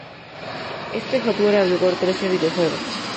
Este hardware albergó trece videojuegos.